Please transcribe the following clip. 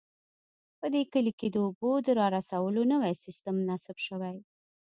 په دې کلي کې د اوبو د رارسولو نوی سیسټم نصب شوی